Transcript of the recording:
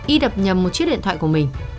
y đập nhầm một chiếc điện thoại của mình